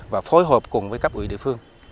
và phối hợp cùng với các quỹ địa phương